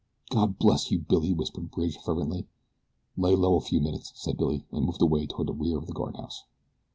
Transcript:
"God bless you, Billy!" whispered Bridge, fervently. "Lay low a few minutes," said Billy, and moved away toward the rear of the guardhouse.